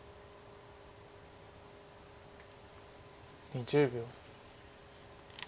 ２０秒。